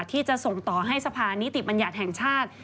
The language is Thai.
ที่จะส่งต่อให้สภานิติบัญญัติแห่งชาติ